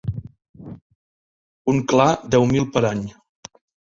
Un clar deu mil per any.